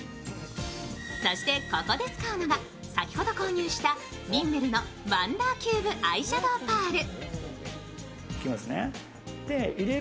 そして、ここで使うのが先ほど購入したリンメルのワンダーキューブアイシャドウパール。